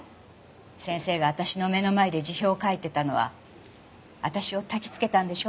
先生が私の目の前で辞表書いてたのは私をたきつけたんでしょ？